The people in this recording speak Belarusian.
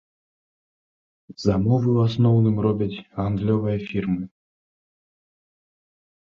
Замовы ў асноўным робяць гандлёвыя фірмы.